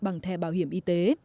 bằng thẻ bảo hiểm y tế